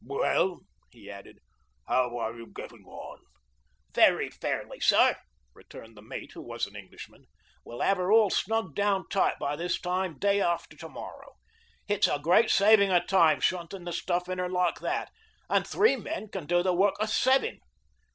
"Well," he added, "how are you getting on?" "Very fairly, sir," returned the mate, who was an Englishman. "We'll have her all snugged down tight by this time, day after to morrow. It's a great saving of time shunting the stuff in her like that, and three men can do the work of seven."